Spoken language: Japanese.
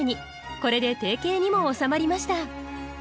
これで定型にも収まりました。